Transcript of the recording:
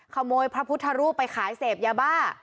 ขโมยพระพุทธรูปไปขายเสพอย่าบ้า